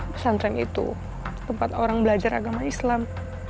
pesantren itu tempat orang belajar agama islam